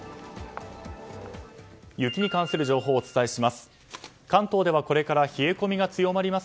雪に関する情報をお伝えします。